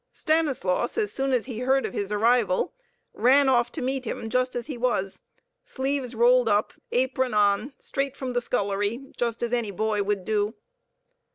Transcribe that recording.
Stanislaus, as soon as he heard of his arrival, ran off to meet him just as he was, sleeves rolled up, apron on, straight from the scullery just as any boy would do.